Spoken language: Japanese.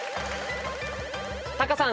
タカさん